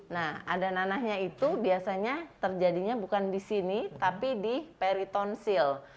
nah ada nanahnya itu biasanya terjadinya bukan di sini tapi di peritonsil